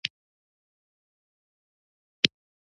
کینه کول ولې بد دي؟